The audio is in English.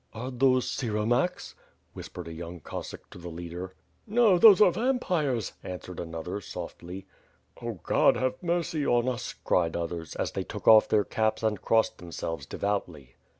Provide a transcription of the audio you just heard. "Are those siromakhe?" whispered a young Cossaqk to the 432 WITH FIRE AND SWORD. "No, those are vampirefil^' answered another, softly. "Oh God, have mercy on ns!" cried others, as they took oflf their caps and crossed themselves devoutly.